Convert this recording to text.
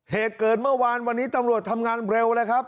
เหตุเกิดเมื่อวานวันนี้ตำรวจทำงานเร็วเลยครับ